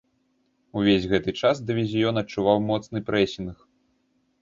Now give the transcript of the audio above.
Увесь гэты час дывізіён адчуваў моцны прэсінг.